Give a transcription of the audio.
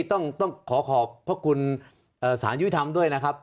ต้องขอขอบพระคุณศาลยุรธรรมด้วย